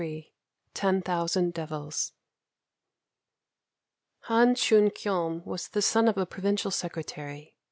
XXIII TEN THOUSAND DEVILS [Han Chun kyom was the son of a provincial secretary.